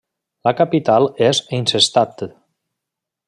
La capital és Eisenstadt.